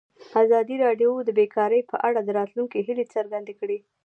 ازادي راډیو د بیکاري په اړه د راتلونکي هیلې څرګندې کړې.